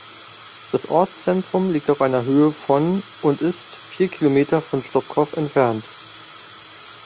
Das Ortszentrum liegt auf einer Höhe von und ist vier Kilometer von Stropkov entfernt.